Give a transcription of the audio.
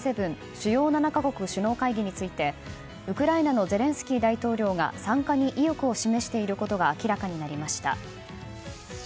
・主要７か国首脳会議についてウクライナのゼレンスキー大統領が参加に意欲を示していることが明らかになりました。